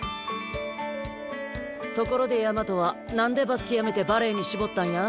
ところで大和はなんでバスケやめてバレエに絞ったんや？